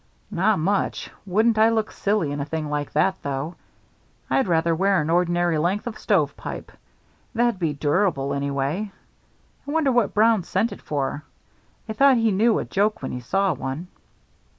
"Not much. Wouldn't I look silly in a thing like that, though? I'd rather wear an ordinary length of stovepipe. That'd be durable, anyway. I wonder what Brown sent it for. I thought he knew a joke when he saw one."